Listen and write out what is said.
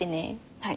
はい。